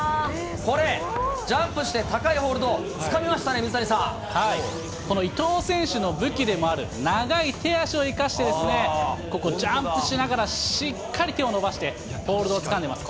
これ、ジャンプして高いホールド、この伊藤選手の武器でもある長い手足を生かして、ここ、ジャンプしながらしっかり手を伸ばして、ホールドをつかんでます。